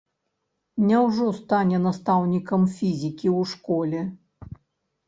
Няўжо стане настаўнікам фізікі ў школе?